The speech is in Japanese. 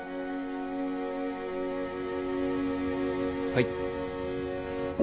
はい。